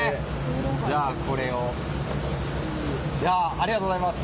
ありがとうございます！